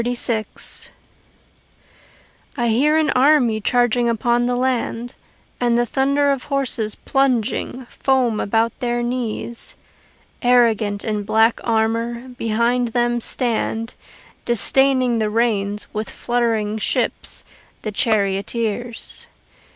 XXXVI I hear an army charging upon the land, And the thunder of horses plunging, foam about their knees: Arrogant, in black armour, behind them stand, Disdaining the reins, with fluttering whips, the charioteers.